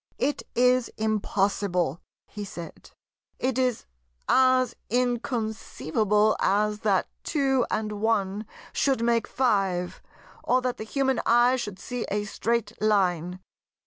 "It is impossible," he said; "it is as inconceivable as that two and one should make five, or that the human eye should see a Straight Line."